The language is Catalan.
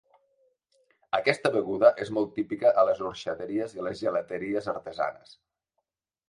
Aquesta beguda és molt típica a les orxateries i les gelateries artesanes.